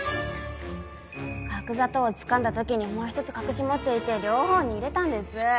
角砂糖をつかんだ時にもう１つ隠し持っていて両方に入れたんです。